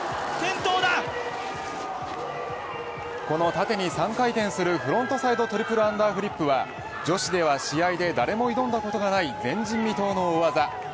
この縦に３回転するフロントサイドトリプルアンダーフリップは女子では試合で誰も挑んだことのない前人未到の大技。